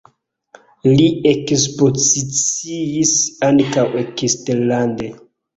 Li ekspoziciis ankaŭ eksterlande.